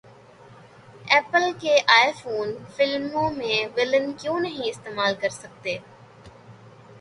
apple کے iPhone فلموں میں ولن کیوں نہیں استعمال کرسکتے